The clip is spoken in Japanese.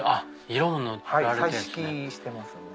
彩色してますね。